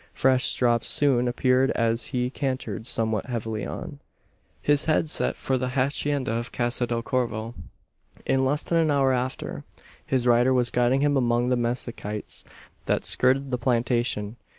Fresh drops soon appeared as he cantered somewhat heavily on his head set for the hacienda of Casa del Corvo. In less than an hour after, his rider was guiding him among the mezquites that skirted the plantation.